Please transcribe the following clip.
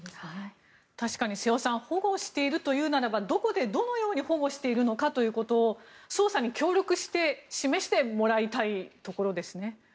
確かに瀬尾さん保護しているというならばどこでどのように保護しているのかということを捜査に協力して示してもらいたいところですね。